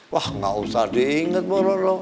wah gak usah diinget mbak rono